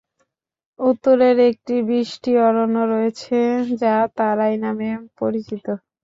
উত্তরের একটি বৃষ্টি অরণ্য রয়েছে, যা তারাই নামে পরিচিত।